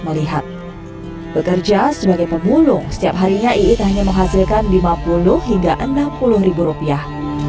melihat bekerja sebagai pemulung setiap harinya iit hanya menghasilkan lima puluh hingga enam puluh ribu rupiah